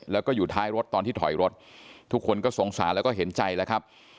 แล้วก็อยู่ท้ายรถตอนที่ถอยรถทุกคนก็สงสารแล้วก็เห็นใจแล้วครับ